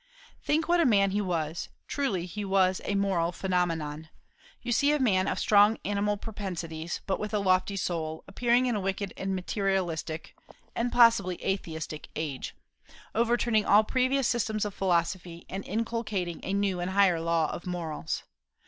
Think what a man he was: truly was he a "moral phenomenon." You see a man of strong animal propensities, but with a lofty soul, appearing in a wicked and materialistic and possibly atheistic age, overturning all previous systems of philosophy, and inculcating a new and higher law of morals.